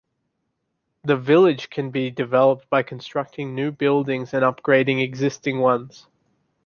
The village can be developed by constructing new buildings and upgrading existing ones.